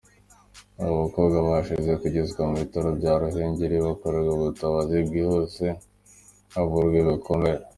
Abo bakobwa bahize bagezwa mu bitaro bya Ruhengeri bakorerwa ubutabazi bwihuse bavurwa ibikomere.